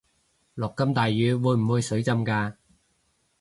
落咁大雨會唔會水浸架